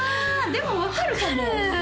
でも分かるかも分かる！